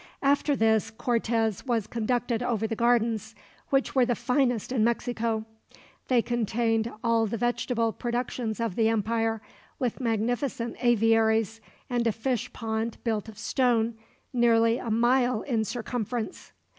After this Cortez was conducted over the gardens, which were the finest in Mexico. They contained all the vegetable productions of the empire, with magnificent aviaries, and a fish pond built of stone, nearly a mile in circumference.